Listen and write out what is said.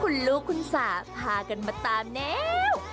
คุณลูกคุณสาบพากันตามเนียว